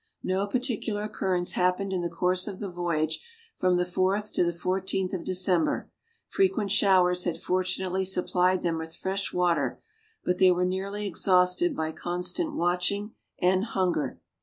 No particular occurrence happened in the course of the voyage from the fourth to the fourteenth of December; frequent showers had fortunately supplied them with fresh water, but they were nearly exhausted by constant watching and hunger.